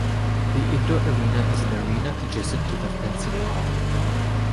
The Indoor arena is an arena adjacent to the Fencing Hall.